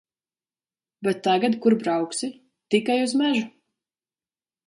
Bet tagad kur brauksi? Tikai uz mežu.